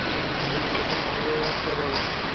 পুলিশকে এসব সামলাতে দাও।